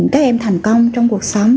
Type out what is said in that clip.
các em thành công trong cuộc sống